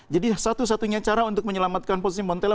jadi satu satunya cara untuk menyelamatkan posisi montella